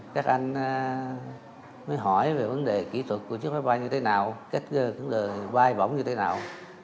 các anh mới hỏi về vấn đề kỹ thuật của chiếc máy bay như thế nào cách bay bỏng như thế nào